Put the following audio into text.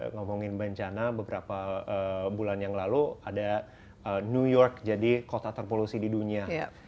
ngomongin bencana beberapa bulan yang lalu ada new york jadi kota terpolusi di dunia